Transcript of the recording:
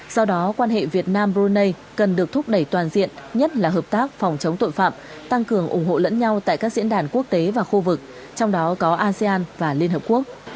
do đó quan hệ việt nam brunei cần được thúc đẩy toàn diện nhất là hợp tác phòng chống tội phạm tăng cường ủng hộ lẫn nhau tại các diễn đàn quốc tế và khu vực trong đó có asean và liên hợp quốc